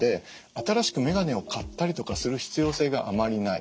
新しくメガネを買ったりとかする必要性があまりない。